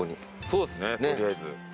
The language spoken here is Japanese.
そうっすね取りあえず。